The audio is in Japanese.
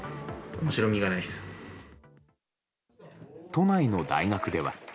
都内の大学では。